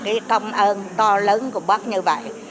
cái công ơn to lớn của bác như vậy